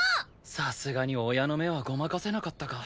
さすがに親の目はごまかせなかったか。